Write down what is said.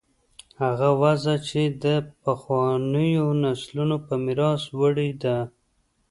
هغه وضع چې له پخوانیو نسلونو په میراث وړې ده.